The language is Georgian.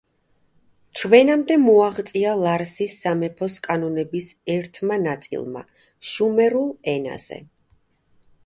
ჩვენამდე მოაღწია ლარსის სამეფოს კანონების ერთმა ნაწილმა შუმერულ ენაზე.